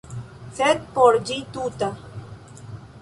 Sed por ĝi tuta.